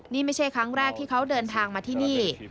นี่ไม่ใช่ครั้งแรกที่เขาเดินทางมาที่นี่